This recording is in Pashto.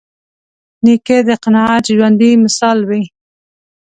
نیکه د قناعت ژوندي مثال وي.